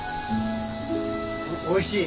おいしい！